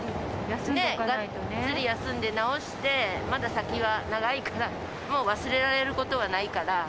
がっつり休んで治して、まだ先は長いから、もう忘れられることはないから。